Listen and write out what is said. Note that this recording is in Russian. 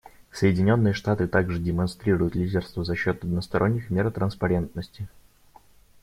Соединенные Штаты также демонстрируют лидерство за счет односторонних мер транспарентности.